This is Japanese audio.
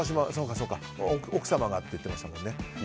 奥様がって言ってましたよね。